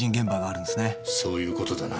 そういう事だな。